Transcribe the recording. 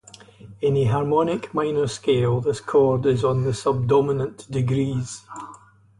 In a harmonic minor scale, this chord is on the subdominant degrees.